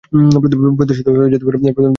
প্রতিশোধ আমি নেব।